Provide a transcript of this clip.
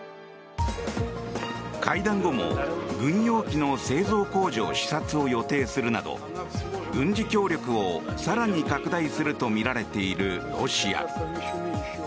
会談後も軍用機の製造工場視察を予定するなど軍事協力を更に拡大するとみられているロシア。